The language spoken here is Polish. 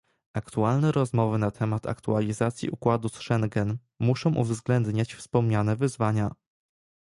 Aktualne rozmowy na temat aktualizacji układu z Schengen muszą uwzględniać wspomniane wyzwania